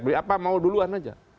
beli apa mau duluan aja